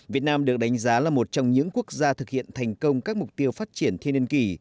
việt nam được đánh giá là một trong những quốc gia thực hiện thành công các mục tiêu phát triển thiên niên kỷ